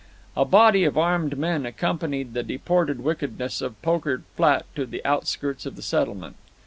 A body of armed men accompanied the deported wickedness of Poker Flat to the outskirts of the settlement.